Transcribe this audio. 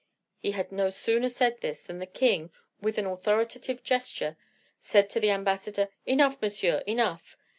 He had no sooner said this, than the king, with an authoritative gesture, said to the ambassador, "Enough, monsieur, enough."